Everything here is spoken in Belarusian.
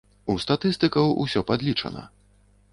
У статыстыкаў усё падлічана.